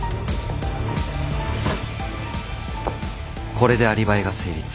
これでアリバイが成立。